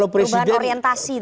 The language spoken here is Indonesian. perubahan orientasi tadi